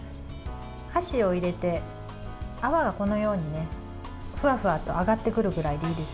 箸を入れて、泡がこのようにふわふわと上がってくるくらいで